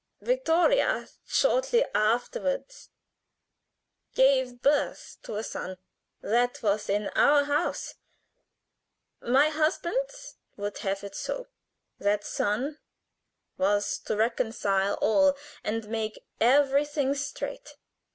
Vittoria shortly afterward gave birth to a son. That was in our house. My husband would have it so. That son was to reconcile all and make everything straight.